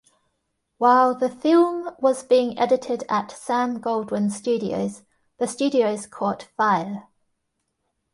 While the film was being edited at Sam Goldwyn Studios, the studios caught fire.